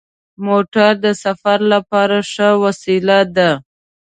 موټر د سفر لپاره ښه وسیله ده.